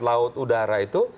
laut udara itu